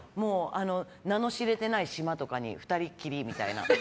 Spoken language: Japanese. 名の知れてない島とかに２人きりみたいな。